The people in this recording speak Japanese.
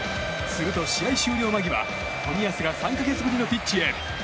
すると試合終了間際、冨安が３か月ぶりのピッチへ。